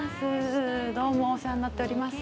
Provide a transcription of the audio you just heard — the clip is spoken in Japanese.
どうもお世話になっております。